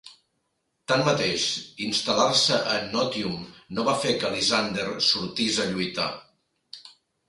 Tanmateix, instal·lar-se a Notium no va fer que Lysander sortís a lluitar.